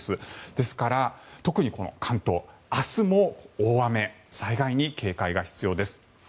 ですから特に関東は明日も大雨や災害に警戒が必要です。